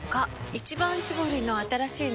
「一番搾り」の新しいの？